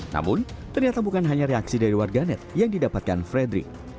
namun ternyata bukan hanya reaksi dari warganet yang didapatkan frederick